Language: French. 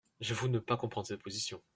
J’avoue ne pas comprendre cette position.